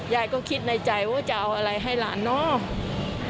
ยายก็คิดในใจว่าจะเอาอะไรให้หลานเนาะ